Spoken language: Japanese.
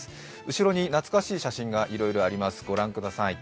後ろになつかしい写真がいろいろあります、御覧ください。